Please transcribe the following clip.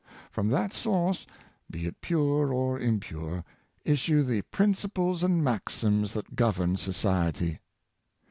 From that source, be it pure or impure, issue the principles and maxims that govern society.